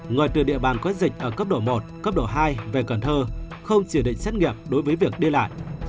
người từ địa bàn có dịch ở cấp độ một cấp độ hai về cần thơ không chỉ định xét nghiệm đối với việc đi lại